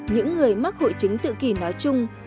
những người mắc hội chứng tự kỷ nói chung